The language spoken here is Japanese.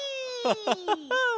ハハハハ。